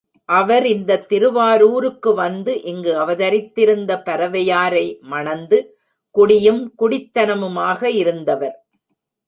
அவர் இந்தத் திருவாரூருக்கு வந்து, இங்கு அவதரித்திருந்த பரவையாரை மண்ந்து குடியும் குடித்தனமுமாக இருந்தவர்.